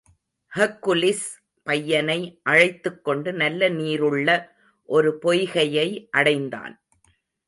Hercules, பையனை அழைத்துக்கொண்டு நல்ல நீருள்ள ஒரு பொய்கையை அடைந்தான்.